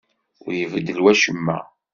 Ur ibeddel wacemma.